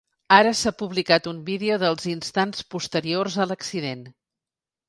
Ara s’ha publicat un vídeo dels instants posteriors a l’accident.